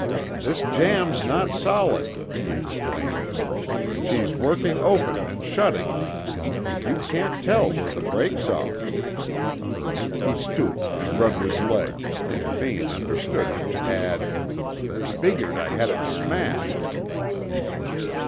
"This jamb's not solid," he explained. "She's working open and shutting; and you can't tell where the breaks are." He stooped and rubbed his leg, and Vane understood him to add: "Figured I had it smashed."